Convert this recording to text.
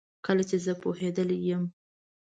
کله چي زه پوهیدلې یم